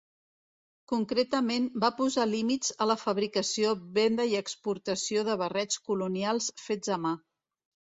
Concretament va posar límits a la fabricació, venda i exportació de barrets colonials fets a mà.